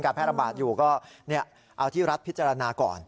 แพร่ระบาดอยู่ก็เอาที่รัฐพิจารณาก่อน